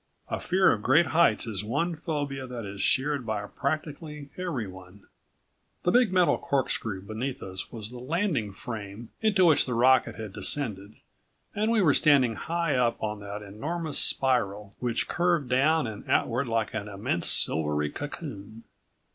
A fear of great heights is one phobia that is shared by practically everyone. The big metal corkscrew beneath us was the landing frame into which the rocket had descended and we were standing high up on that enormous spiral, which curved down and outward like an immense silvery cocoon.